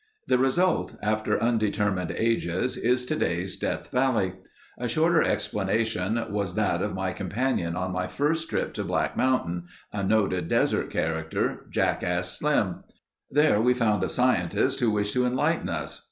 The result, after undetermined ages, is today's Death Valley. A shorter explanation was that of my companion on my first trip to Black Mountain—a noted desert character—Jackass Slim. There we found a scientist who wished to enlighten us.